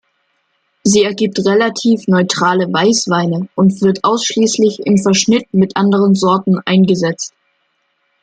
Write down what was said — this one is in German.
Sie ergibt relativ neutrale Weißweine und wird ausschließlich im Verschnitt mit anderen Sorten eingesetzt.